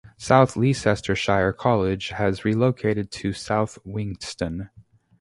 South Leicestershire College has relocated to South Wigston.